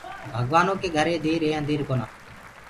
ڀگوآنو ڪيٚ گهري دير هي انڌير ڪونآ۔